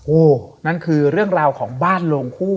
โอ้โหนั่นคือเรื่องราวของบ้านโลงคู่